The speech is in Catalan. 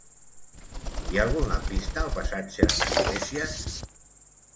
Hi ha algun lampista al passatge d'Iglésias?